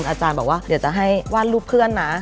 อาจารย์บอกว่าเดี๋ยวจะให้วาดรูปเพื่อนนะ